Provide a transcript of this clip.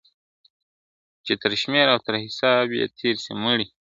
چي تر شمېر او تر حساب یې تېر سي مړي ..